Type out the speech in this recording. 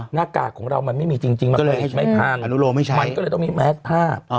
หน้ากากของเรามันไม่มีจริงมันก็เลยไม่พังมันก็เลยต้องมีแมสภาพ